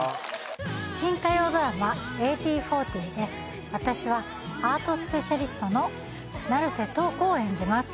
新火曜ドラマ「１８／４０」で私はアートスペシャリストの成瀬瞳子を演じます